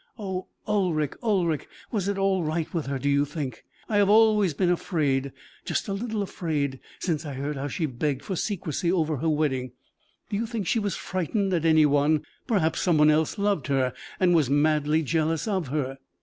"Oh, Ulric, Ulric! was it all right with her, do you think? I have always been afraid just a little afraid since I heard how she begged for secrecy over her wedding. Do you think she was frightened at any one? Perhaps some one else loved her, and was madly jealous of her."